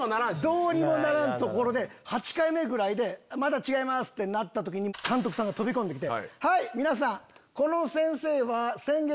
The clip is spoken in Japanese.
どうにもならんところで８回目ぐらいで「まだ違います」ってなった時に監督さんが飛び込んできて。